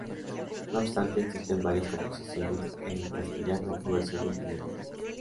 No obstante, existen varias composiciones en castellano, o versiones bilingües.